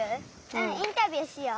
うんインタビューしよう。